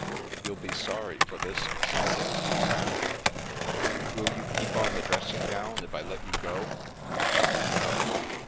" You'll be sorry for this some day," he panted. "Will you keep on the dressing gown, if I let you go?" " No."